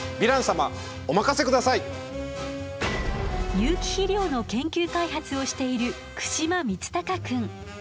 有機肥料の研究開発をしている串間充崇くん。